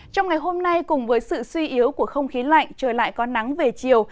trong ngày hôm nay cùng với sự suy yếu của không khí lạnh trời lại có nắng về chiều